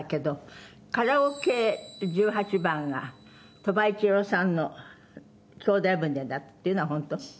カラオケ十八番が鳥羽一郎さんの『兄弟船』だっていうのは本当？